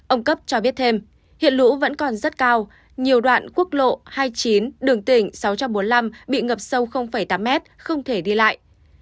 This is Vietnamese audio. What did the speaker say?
ông cấp cho biết thêm hiện lũ vẫn còn rất cao nhiều đoạn quốc lộ hai mươi chín đường tỉnh sáu trăm bốn mươi năm bị ngập sâu tám mét không thể đi lại